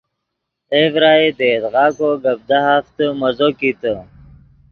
اے ڤرائی دے یدغا کو گپ دہافتے مزو کیتے